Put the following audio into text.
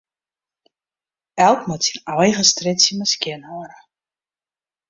Elk moat syn eigen strjitsje mar skjinhâlde.